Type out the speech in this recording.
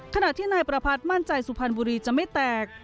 ขณะที่นายประพัทธ์มั่นใจสุพรรณบุรีจะไม่แตก